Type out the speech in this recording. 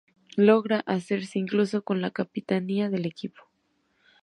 Logra hacerse incluso con la capitanía del equipo.